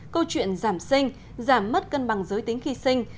câu chuyện giảm sinh giảm mất cân bằng giới tính khi sinh